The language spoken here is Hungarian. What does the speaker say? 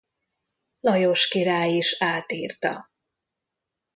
Lajos király is átírta.